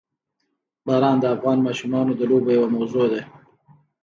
باران د افغان ماشومانو د لوبو یوه موضوع ده.